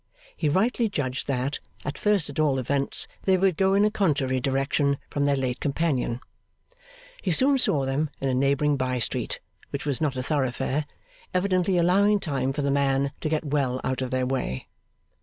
He rightly judged that, at first at all events, they would go in a contrary direction from their late companion. He soon saw them in a neighbouring bye street, which was not a thoroughfare, evidently allowing time for the man to get well out of their way.